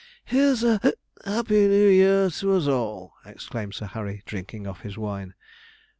'Here's a happy new year to us all!' exclaimed Sir Harry, drinking off his wine.